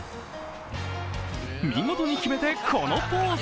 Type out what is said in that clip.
見事に決めて、このポーズ。